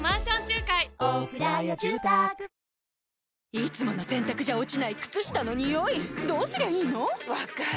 いつもの洗たくじゃ落ちない靴下のニオイどうすりゃいいの⁉分かる。